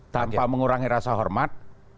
tanpa mengurangi rasa hormat